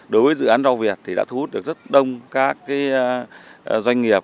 đối với dự án rau việt thì đã thu hút được rất đông các doanh nghiệp